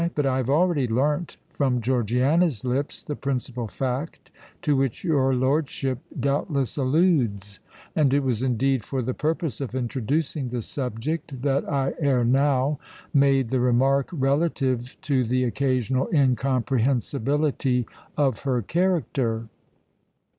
"But I have already learnt from Georgiana's lips the principal fact to which your lordship doubtless alludes; and it was indeed for the purpose of introducing the subject that I ere now made the remark relative to the occasional incomprehensibility of her character.